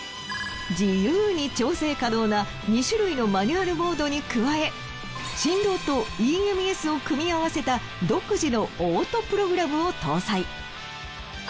自由に調整可能な２種類のマニュアルモードに加え振動とＥＭＳを組み合わせた独自のオートプログラムを搭載。